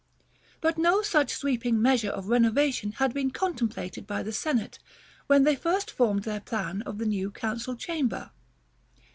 But no such sweeping measure of renovation had been contemplated by the Senate when they first formed the plan of their new Council Chamber.